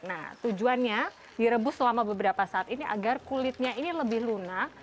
nah tujuannya direbus selama beberapa saat ini agar kulitnya ini lebih lunak